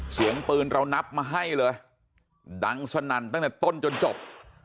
เสียงปืนเรานับมาให้เลยดังสนั่นตั้งแต่ต้นจนจบ